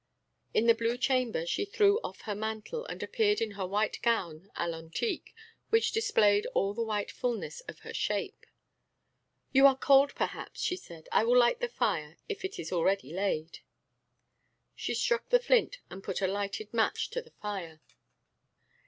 In the blue chamber she threw off her mantle and appeared in her white gown à l'antique, which displayed all the warm fulness of her shape. "You are cold, perhaps," she said, "I will light the fire; it is already laid." She struck the flint and put a lighted match to the fire.